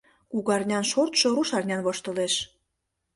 Кугарнян шортшо рушарнян воштылеш.